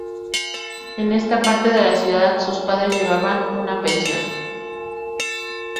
En esta parte de la ciudad sus padres llevaban una pensión.